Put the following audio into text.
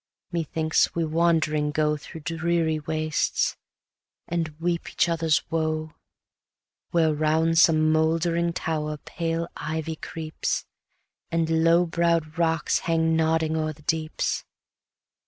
methinks we wandering go Through dreary wastes, and weep each other's woe, Where round some mouldering tower pale ivy creeps, And low brow'd rocks hang nodding o'er the deeps.